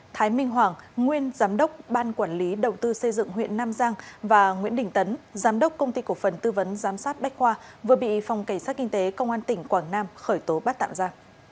thái minh hoàng nguyên giám đốc ban quản lý đầu tư xây dựng huyện nam giang và nguyễn đình tấn giám đốc công ty cổ phần tư vấn giám sát bách khoa vừa bị phòng cảnh sát kinh tế công an tỉnh quảng nam khởi tố bắt tạm ra